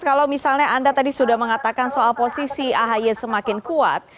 kalau misalnya anda tadi sudah mengatakan soal posisi ahy semakin kuat